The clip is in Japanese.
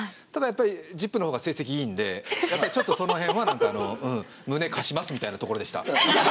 やっぱり「ＺＩＰ！」のほうが成績いいんでやっぱりちょっとその辺は何かあの「胸貸します」みたいなところでした。